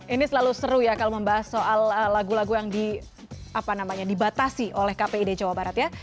ini selalu seru ya kalau membahas soal lagu lagu yang dibatasi oleh kpid jawa barat ya